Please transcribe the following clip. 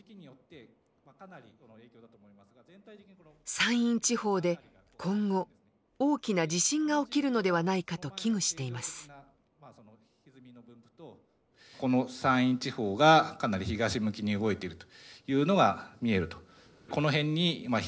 山陰地方で今後大きな地震が起きるのではないかと危惧しています。